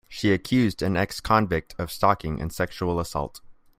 She accused an ex-convict of stalking and sexual assault.